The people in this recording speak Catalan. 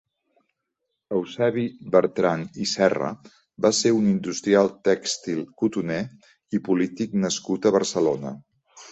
Eusebi Bertrand i Serra va ser un industrial tèxtil cotoner, i polític nascut a Barcelona.